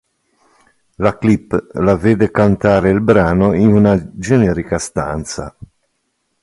La clip la vede cantare il brano in una generica stanza.